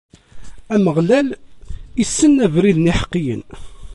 Ameɣlal issen abrid n iḥeqqiyen.